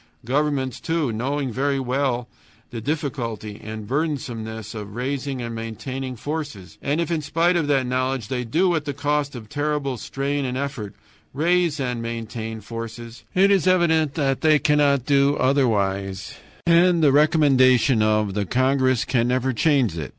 Governments, too, know very well the difficulty and the burdensomeness of raising and maintaining forces, and if in spite of that knowledge they do, at the cost of terrible strain and effort, raise and maintain forces, it is evident that they cannot do otherwise, and the recommendation of the congress can never change it.